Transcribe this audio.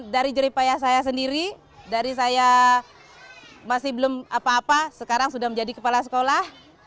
dari jeripayah saya sendiri dari saya masih belum apa apa sekarang sudah menjadi kepala sekolah